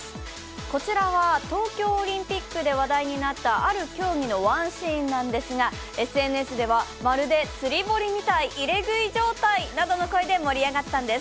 こちらは東京オリンピックで話題になった、ある競技のワンシーンなんですが、ＳＮＳではまるで釣り堀みたい、入れ食い状態みたいなどの声で盛り上がったんです。